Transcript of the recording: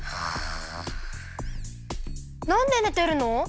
なんでねてるの？